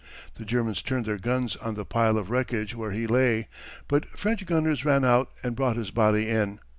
The Germans turned their guns on the pile of wreckage where he lay, but French gunners ran out and brought his body in.